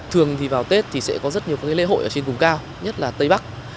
thường thì vào tết thì sẽ có rất nhiều các lễ hội ở trên vùng cao nhất là tây bắc